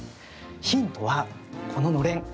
ヒントは、こののれん。